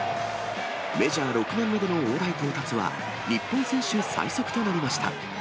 メジャー６年目での大台到達は、日本選手最速となりました。